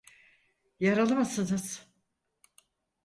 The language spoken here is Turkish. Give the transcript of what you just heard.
Yaralı mısınız?